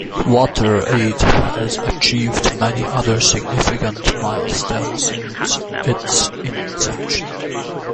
WaterAid has achieved many other significant milestones since its inception.